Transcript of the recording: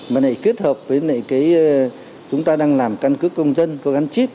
mà này kết hợp với cái chúng ta đang làm căn cứ công dân có gắn chip